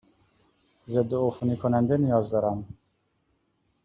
ضدعفونی کننده نیاز دارم.